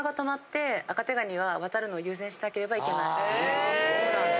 あそうなんだ。